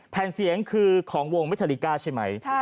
แผ่นเสียงคือของวงมิทาลิก้าใช่ไหม